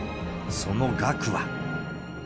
その額は。